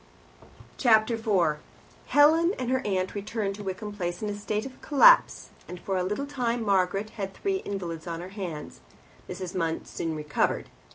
Chapter 4 Helen and her aunt returned to Wickham Place in a state of collapse, and for a little time Margaret had three invalids on her hands. Mrs. Munt soon recovered.